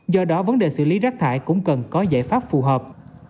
do đó vấn đề xử lý rác thải cũng cần có giải pháp phù hợp